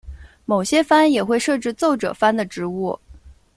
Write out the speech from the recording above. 某些藩也会设置奏者番的职务。